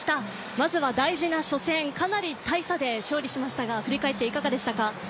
まずは大事な初戦かなり大差でしょうりしましたが振り返って、いかがでしたか？